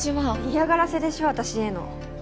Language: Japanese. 嫌がらせでしょ私への。